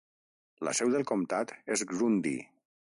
La seu del comtat és Grundy.